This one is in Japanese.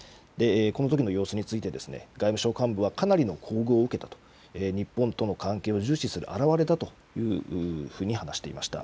このときの様子について、外務省幹部はかなりの厚遇を受けたと、日本との関係を重視する表れだというふうに話していました。